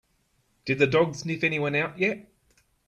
Did the dog sniff anyone out yet?